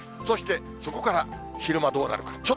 そして、そこから昼間どうなるか。